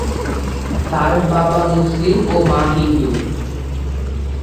তার বাবা মুসলিম ও মা হিন্দু।